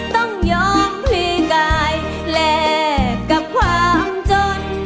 ต้องยอมพลีกายแลกกับความจน